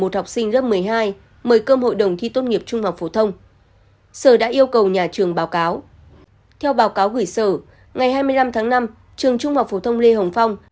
trường trung học phổ thông lê hồng phong